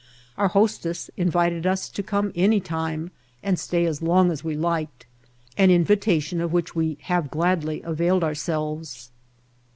Our host ess invited us to come any time and stay as long as we liked, an invitation of which we have gladly availed ourselves.